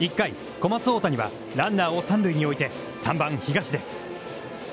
小松大谷はランナーを三塁に置いて、３番東出。